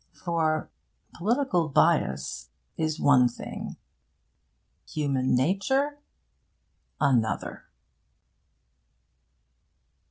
For political bias is one thing; human nature another.